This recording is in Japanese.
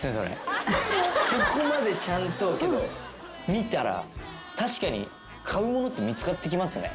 そこまでちゃんと見たら確かに買うものって見つかってきますね。